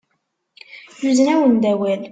Yuzen-awen-d awal.